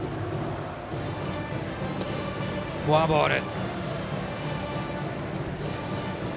フォアボール。